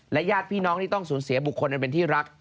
ญาติพี่น้องที่ต้องสูญเสียบุคคลอันเป็นที่รัก